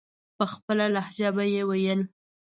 په خپله لهجه به یې ویل.